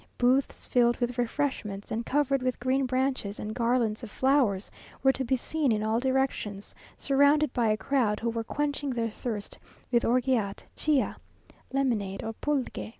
Booths filled with refreshments, and covered with green branches and garlands of flowers, were to be seen in all directions, surrounded by a crowd who were quenching their thirst with orgeat, chia, lemonade, or pulque.